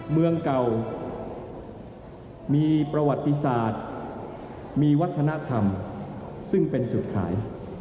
เมืองเก่ามีประวัติศาสตร์มีวัฒนธรรมซึ่งเป็นจุดขาย